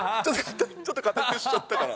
ちょっと硬くしちゃったかな？